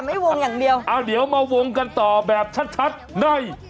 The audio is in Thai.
วงอย่างเดียวอ่าเดี๋ยวมาวงกันต่อแบบชัดชัดใน